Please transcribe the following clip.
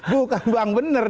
bukan bang bener